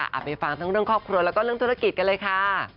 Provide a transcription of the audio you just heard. ไปฟังทั้งเรื่องครอบครัวแล้วก็เรื่องธุรกิจกันเลยค่ะ